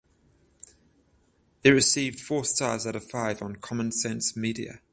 It received four stars out of five on "Common Sense Media".